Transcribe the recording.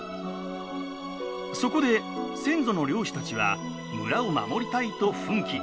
そこで先祖の漁師たちは村を守りたいと奮起。